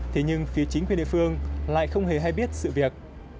thế nhưng phía chính quyền địa phương lại không hề hay biết sự việc